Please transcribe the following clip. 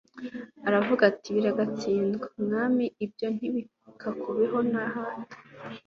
aravuga ati: "Biragatsindwa, Mwami ibyo ntibikakubeho na hato."